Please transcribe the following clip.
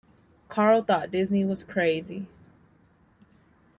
Carl thought Disney was crazy.